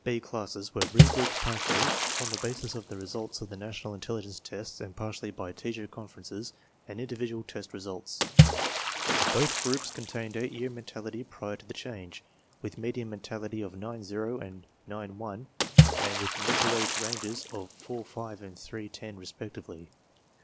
Two 5 B classes were re grouped partly on the basis of the results of the National Intelligence Tests and partly by teacher conferences and individual test results. Both groups contained 8 year mentality prior to the change, with median mentality of 9 0 and 9 1 and with mental age ranges of 4 5 and 3 10, respectively.